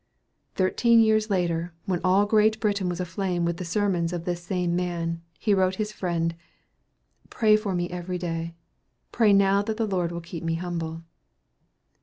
Thirteen years later, when all Great Britain was aflame with the sermons of this same man, he wrote his friend, "Pray for me every day; pray now that the Lord will keep me humble."